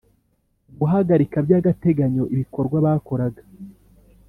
guhagarika by agateganyo ibikorwa bakoraga